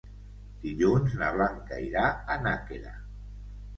Dilluns na Blanca irà a Nàquera.